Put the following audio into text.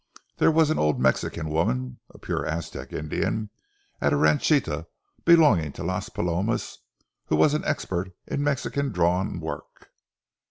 There was an old Mexican woman, a pure Aztec Indian, at a ranchita belonging to Las Palomas, who was an expert in Mexican drawn work.